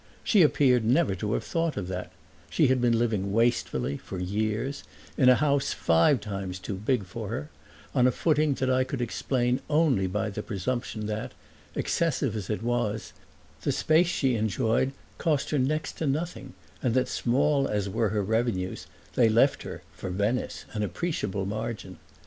She appeared never to have thought of that; she had been living wastefully for years, in a house five times too big for her, on a footing that I could explain only by the presumption that, excessive as it was, the space she enjoyed cost her next to nothing and that small as were her revenues they left her, for Venice, an appreciable margin.